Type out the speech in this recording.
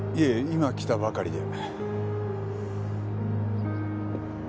今来たばかりで。